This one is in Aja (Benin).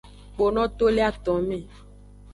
Kpono to le aton me.